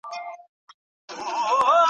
لوستې مور د ماشوم د بدن نښې څاري.